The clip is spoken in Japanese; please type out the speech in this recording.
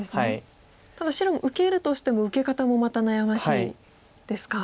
ただ白も受けるとしても受け方もまた悩ましいですか。